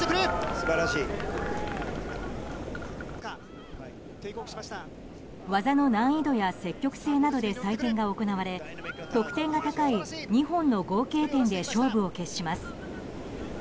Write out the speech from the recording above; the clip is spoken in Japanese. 素晴らしい！技の難易度や積極性などで採点が行われ得点が高い２本の合計点で勝負を決します。